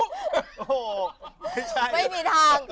ไม่ใช่ไม่มีทาง